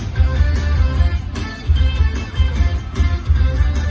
สวัสดีครับ